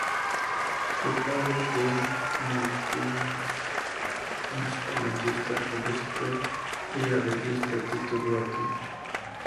Fue padre del multiinstrumentista, compositor y arreglista Tito Duarte.